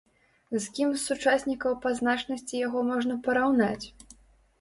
З кім з сучаснікаў па значнасці яго можна параўнаць?